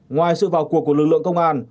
ngoài sự vào cuộc của lực lượng công an